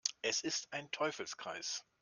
Es ist ein Teufelskreis.